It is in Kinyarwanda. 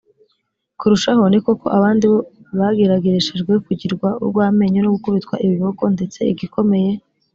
kurushaho ni koko abandi bo bageragereshejwe kugirwa urw amenyo no gukubitwa ibiboko ndetse igikomeye